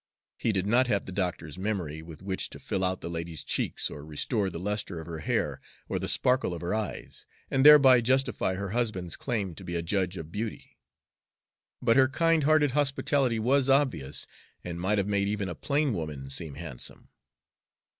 He did not have the doctor's memory with which to fill out the lady's cheeks or restore the lustre of her hair or the sparkle of her eyes, and thereby justify her husband's claim to be a judge of beauty; but her kind hearted hospitality was obvious, and might have made even a plain woman seem handsome.